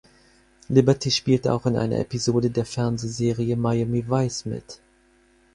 Liberty spielte auch in einer Episode der Fernsehserie "Miami Vice" mit.